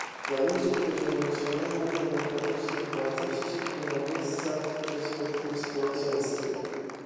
Dla ludzi, którzy nie szanują demokratycznych wartości, nie ma miejsca w przyzwoitym społeczeństwie